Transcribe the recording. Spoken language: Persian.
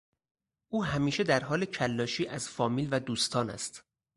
او همیشه در حال کلاشی از فامیل و دوستان است.